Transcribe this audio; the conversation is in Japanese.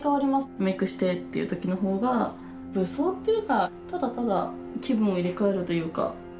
メークしてっていう時の方が武装っていうかただただ気分を入れ替えるというか。